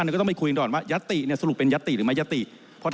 เดือดร้อนร้อนแรงกันจนถึงขั้น